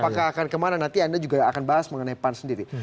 apakah akan kemana nanti anda juga akan bahas mengenai pan sendiri